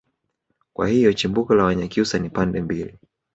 kwa hiyo chimbuko la wanyakyusa ni pande mbili